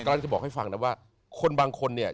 กำลังจะบอกให้ฟังนะว่าคนบางคนเนี่ย